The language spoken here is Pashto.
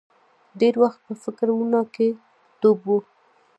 ډېر وخت به په فکرونو کې ډوب و.